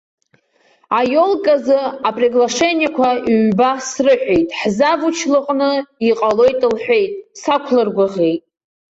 Аиолказы априглашениақәа ҩба срыҳәеит ҳзавуч лҟны, иҟалоит лҳәеит, сақәлыргәыӷит.